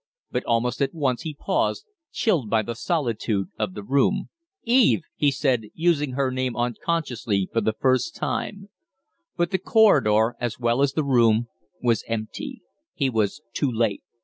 But almost at once he paused, chilled by the solitude of the room. "Eve!" he said, using her name unconsciously for the first time. But the corridor, as well as the room, was empty; he was too late.